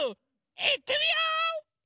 いってみよう！